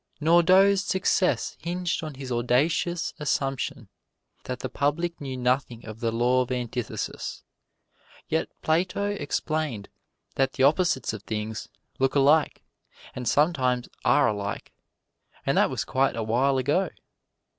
Nordau's success hinged on his audacious assumption that the public knew nothing of the Law of Antithesis. Yet Plato explained that the opposites of things look alike, and sometimes are alike and that was quite a while ago.